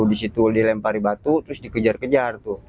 di situ dilempari batu terus dikejar kejar tuh